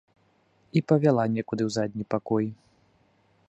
І павяла некуды ў задні пакой.